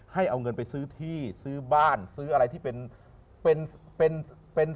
ให้เอาเงินไปซื้อที่ซื้อบ้านซื้ออะไรที่เป็นเป็น